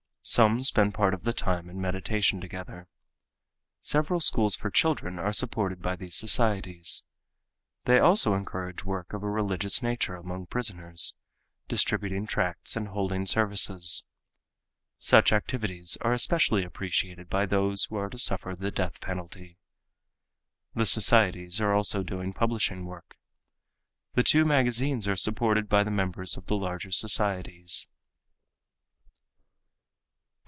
Some spend part of the time in meditation together. Several schools for children are supported by these societies. They also encourage work of a religious nature among prisoners, distributing tracts and holding services. Such activities are especially appreciated by those who are to suffer the death penalty. The societies are also doing publishing work. The two magazines are supported by the members of the larger societies.